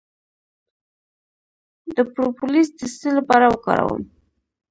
د پروپولیس د څه لپاره وکاروم؟